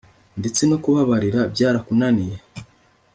ndetse no kubabarira byarakunaniye